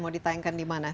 mau ditayangkan dimana